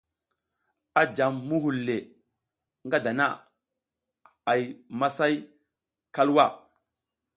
A jam muhul le ngada a hay masay kalwa.